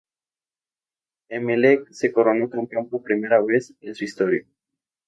Emelec se coronó campeón por primera vez en su historia.